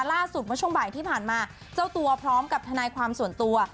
ล่าสุดเมื่อช่วงบ่ายที่ผ่านมาเจ้าตัวพร้อมกับทนายความส่วนตัว